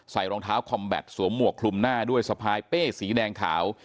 รองเท้าคอมแบตสวมหมวกคลุมหน้าด้วยสะพายเป้สีแดงขาว